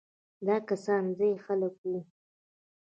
دا کسان ځايي خلک وو.